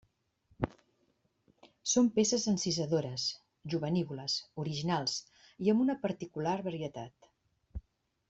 Són peces encisadores, jovenívoles, originals i amb una particular varietat.